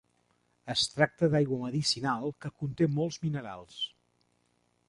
Es tracta d'aigua medicinal, que conté molts minerals.